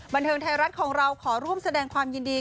บันเทิงไทยรัฐของเราขอร่วมแสดงความยินดี